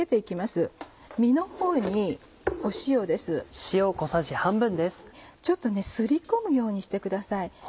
すり込むようにしてください。